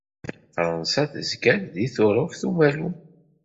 Fransa tezga-d deg Tuṛuft Umalu.